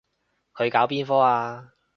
佢搞邊科啊？